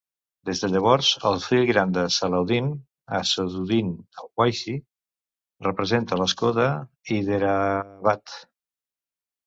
Des de llavors, el fill gran de Salahuddin, Asaduddin Owaisi, representa l'escó de Hyderabad.